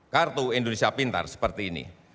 kartu indonesia pintar seperti ini